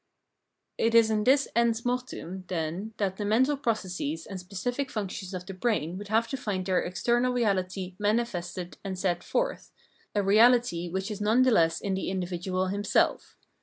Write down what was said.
It is in this ens mortuum, then, that the mental processes and specific functions of the brain would have to find their external reality manifested and 318 Phenomenology of Mind set forth, a reality which is none the less in the in dividual himself.